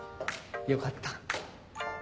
よかった。